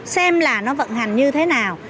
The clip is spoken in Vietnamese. xem là nó vận hành như thế nào